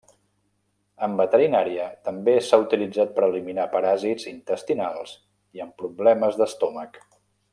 En veterinària, també s'ha utilitzat per eliminar paràsits intestinals i en problemes d'estómac.